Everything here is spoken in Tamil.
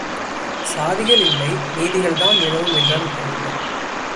சாதிகள் இல்லை நீதிகள்தான் நிலவும் என்றான் கோவிந்தன்.